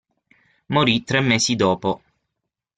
Morì tre mesi dopo.